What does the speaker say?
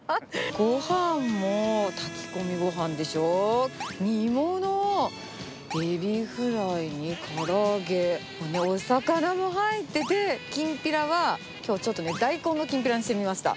ごはんも炊き込みごはんでしょう、煮物、エビフライにから揚げ、お魚も入ってて、きんぴらは、きょうちょっとね、大根のきんぴらにしてみました。